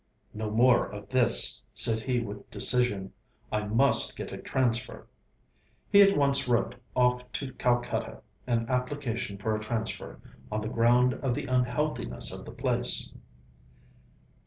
'No more of this,' said he with decision. 'I must get a transfer.' He at once wrote off to Calcutta an application for a transfer, on the ground of the unhealthiness of the place.